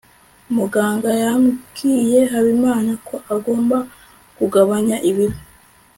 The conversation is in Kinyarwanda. muganga yabwiye habimana ko agomba kugabanya ibiro